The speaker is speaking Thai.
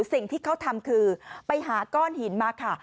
สิ่งที่เขาทำคือไปหาก้อนหินมาค่ะ